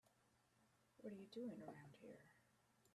What are you doing around here?